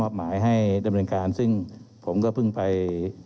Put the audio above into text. เรามีการปิดบันทึกจับกลุ่มเขาหรือหลังเกิดเหตุแล้วเนี่ย